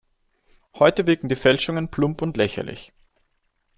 Heute wirken die Fälschungen plump und lächerlich.